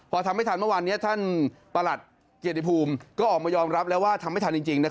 พอทำไม่ทันเมื่อวานนี้ท่านประหลัดเกียรติภูมิก็ออกมายอมรับแล้วว่าทำไม่ทันจริง